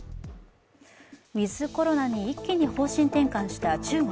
ウィズ・コロナに一気に方針転換した中国。